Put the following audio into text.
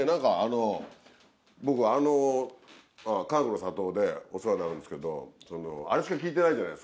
僕かがくの里でお世話になるんですけどあれしか聞いてないじゃないですか。